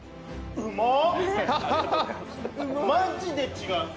うまっ！